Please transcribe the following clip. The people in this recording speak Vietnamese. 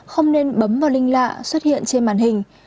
không nên bấm vào linh lạ xuất hiện trên màn hình